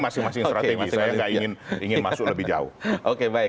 saya tidak ingin masuk lebih jauh